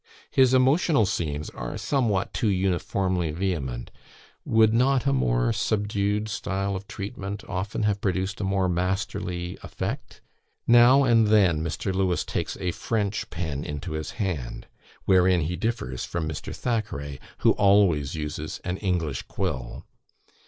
His emotional scenes are somewhat too uniformly vehement: would not a more subdued style of treatment often have produced a more masterly effect? Now and then Mr. Lewes takes a French pen into his hand, wherein he differs from Mr. Thackeray, who always uses an English quill.